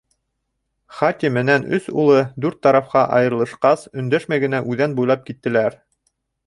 Хати менән өс улы, дүрт тарафҡа айырылышҡас, өндәшмәй генә үҙән буйлап киттеләр.